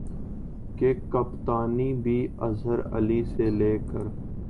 کی کپتانی بھی اظہر علی سے لے کر